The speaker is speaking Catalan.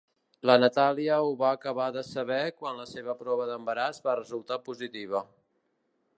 La Natàlia ho va acabar de saber quan la seva prova d'embaràs va resultar positiva.